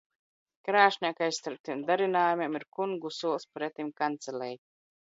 Krāšņākais starp tiem darinājumiem ir kungu sols, pretim kancelei.